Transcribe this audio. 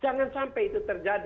jangan sampai itu terjadi